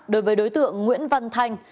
đối với đối tượng nguyễn văn thanh